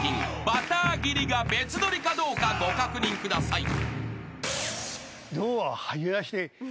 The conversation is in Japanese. ［バター斬りが別撮りかどうかご確認ください］